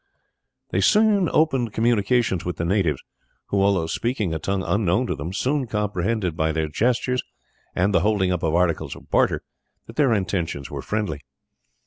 They soon opened communications with the natives, who, although speaking a tongue unknown to them, soon comprehended by their gestures and the holding up of articles of barter that their intentions were friendly.